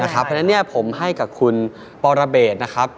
เพราะฉะนั้นผมให้กับคุณปรเบศนะครับ